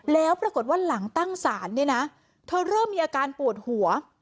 แล้วปรากฏว่าหลังตั้งศาลเนี่ยนะเธอเริ่มมีอาการปวดหัว